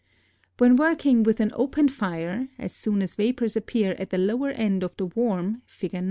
] When working with an open fire, as soon as vapors appear at the lower end of the worm (Fig.